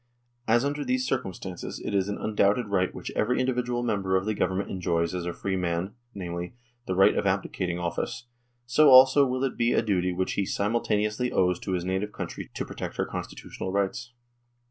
As under these circumstances it is an undoubted right which every individual member of the Government enjoys as a free man, namely, the right of abdicating office, so also will it be a duty which he simultaneously owes to his native country to protect her constitutional rights.